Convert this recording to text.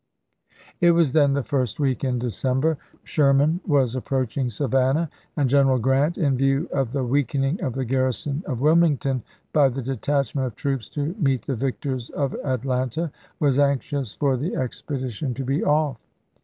It was then the first week in December; Sher lse*. man was approaching Savannah, and General Grant, in view of the weakening of the garrison of Wilmington by the detachment of troops to meet the victors of Atlanta, was anxious for the expedition to be off.